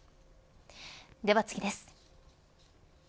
では次です。